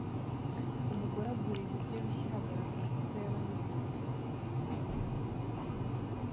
Umugore agura ibiryo bishya ahagarara kumasoko yabahinzi